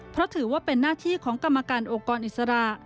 เพราะถือว่าเป็นหน้าที่ของกรรมการองค์กรอิสระ